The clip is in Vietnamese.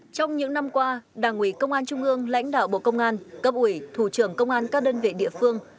trong những năm qua đảng ủy công an trung ương lãnh đạo bộ công an cấp ủy thủ trưởng công an các đơn vị địa phương